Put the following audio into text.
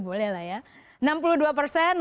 boleh lah ya enam puluh dua persen